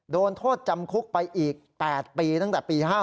โดนโทษจำคุกไปอีก๘ปีตั้งแต่ปี๕๗